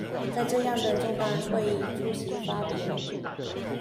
在這樣的重大會議出席發言